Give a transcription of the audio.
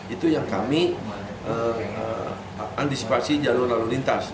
itu yang kami antisipasi jalur lalu lintas